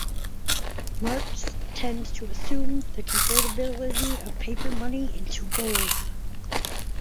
Marx tends to assume the convertibility of paper money into gold.